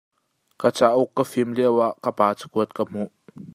Ka cauk ka fim lioah kapa cakuat ka hmuh.